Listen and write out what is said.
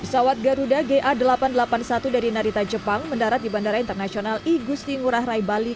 pesawat garuda ga delapan ratus delapan puluh satu dari narita jepang mendarat di bandara internasional igusti ngurah rai bali